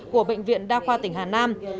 của bệnh viện đa khoa tỉnh hà nam